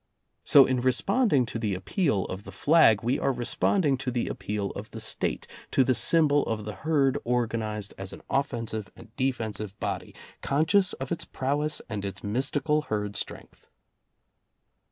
So in responding to the appeal of the flag, we are responding to the appeal of the State, to the symbol of the herd organized as an offensive and defensive body, conscious of its prowess and its mystical herd strength.